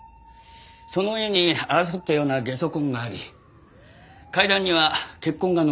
その上に争ったようなゲソ痕があり階段には血痕が残されていました。